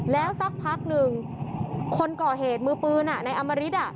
แล้วสักพักหนึ่งคนก่อเหตุมือปืนในอมริต